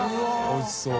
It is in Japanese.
おいしそう。